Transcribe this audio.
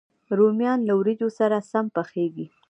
رومیان له وریجو سره هم پخېږي